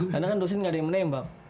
karena kan dosen gak ada yang menembak